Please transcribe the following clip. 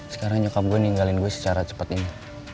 sekarang nyokap gue ninggalin gue secara cepat ini